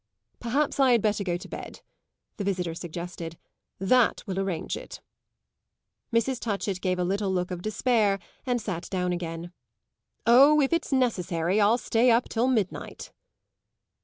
"Perhaps I had better go to bed!" the visitor suggested. "That will arrange it." Mrs. Touchett gave a little look of despair and sat down again. "Oh, if it's necessary I'll stay up till midnight."